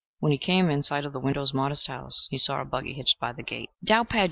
When he came in sight of the widow's modest house, he saw a buggy hitched by the gate.